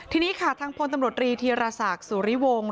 ทีนี้ค่ะทางพลตำรวจรีธีรศักดิ์สุริวงศ์